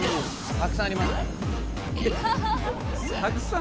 「たくさんありますから」